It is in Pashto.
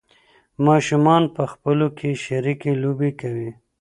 ماشومان په خپلو کې شریکې لوبې کوي.